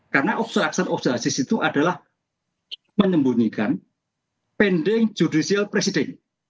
karena obstruction of justice itu adalah menyembunyikan pending judicial proceeding